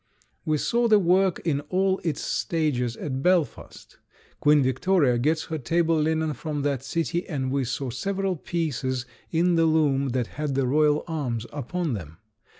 We saw the work in all its stages at Belfast. Queen Victoria gets her table linen from that city, and we saw several pieces in the loom that had the royal arms upon them.